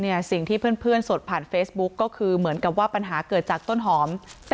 เมื่อช่วงเที่ยงนะคะแม่ของต้นหอมพร้อมกับญาติไปที่สถาบันนิติวิทยาศาสตร์